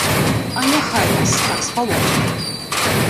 А няхай вас, так спалохалі мяне.